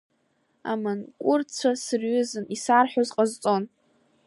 Аманкуртцәа сырҩызан, исарҳәоз ҟасҵон.